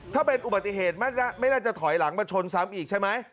ถ้าเป็นอุบัติเหตุไม่น่าจะถอยหลังมาชนซ้ำอีกใช่ไหม